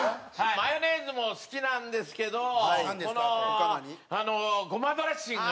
マヨネーズも好きなんですけどこのごまドレッシング。